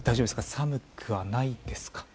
寒くないですか？